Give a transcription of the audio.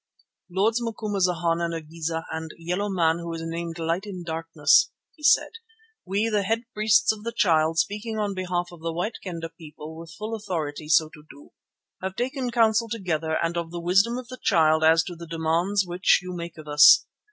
"Lords Macumazana and Igeza, and yellow man who is named Light in Darkness," he said, "we, the head priests of the Child, speaking on behalf of the White Kendah people with full authority so to do, have taken counsel together and of the wisdom of the Child as to the demands which you make of us.